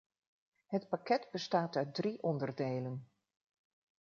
Het pakket bestaat uit drie onderdelen.